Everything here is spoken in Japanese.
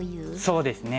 そうですね。